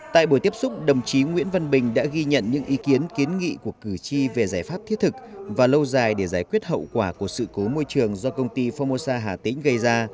tại buổi tiếp xúc đồng chí nguyễn văn bình đã ghi nhận những ý kiến kiến nghị của cử tri về giải pháp thiết thực và lâu dài để giải quyết hậu quả của sự cố môi trường do công ty phongmosa hà tĩnh gây ra